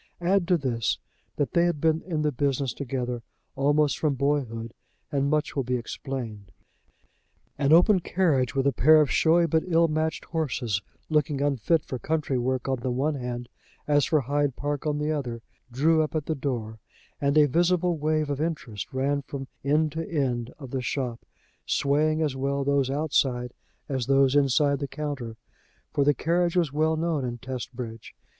Add to this, that they had been in the business together almost from boyhood, and much will be explained. An open carriage, with a pair of showy but ill matched horses, looking unfit for country work on the one hand, as for Hyde Park on the other, drew up at the door; and a visible wave of interest ran from end to end of the shop, swaying as well those outside as those inside the counter, for the carriage was well known in Testbridge.